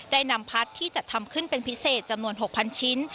ได้นำพัดที่จัดทำขึ้นเป็นพิเศษจำนวน๖๐๐ชิ้น